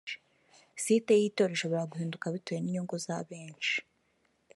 site y’itora ishobora guhinduka bitewe n’inyungu za benshi